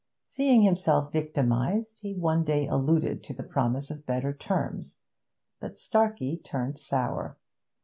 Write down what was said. Seeing himself victimised, he one day alluded to the promise of better terms, but Starkey turned sour.